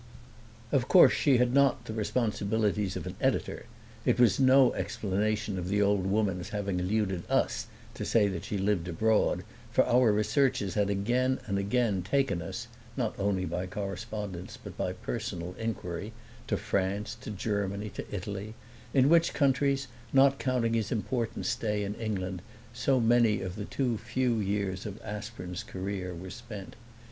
Of course she had not the responsibilities of an editor. It was no explanation of the old woman's having eluded us to say that she lived abroad, for our researches had again and again taken us (not only by correspondence but by personal inquiry) to France, to Germany, to Italy, in which countries, not counting his important stay in England, so many of the too few years of Aspern's career were spent.